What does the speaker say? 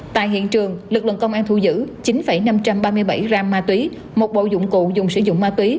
tại hiện trường lực lượng công an thu giữ chín năm trăm ba mươi bảy gram ma túy một bộ dụng cụ dùng sử dụng ma túy